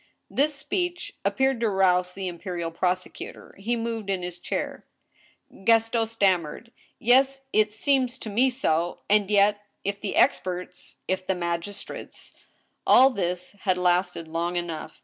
This speech appeared to rouse the imperial prosecutor; he moved in his chair. Gaston stammered :" Yes, it seems to me so ;... and yet, ... if the experts, .... if the magistrates —" All this had lasted long enough.